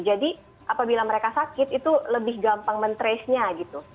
jadi apabila mereka sakit itu lebih gampang mentresnya gitu